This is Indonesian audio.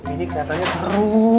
ini keliatannya seru